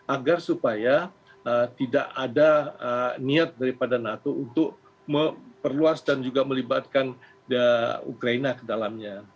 agar supaya tidak ada niat daripada nato untuk memperluas dan juga melibatkan ukraina ke dalamnya